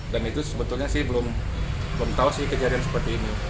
dan itu sebetulnya sih belum tau sih kejadian seperti ini